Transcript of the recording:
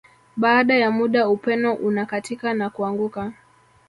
Baada ya muda upeno unakatika na kuanguka